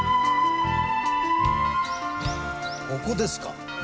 ここですか？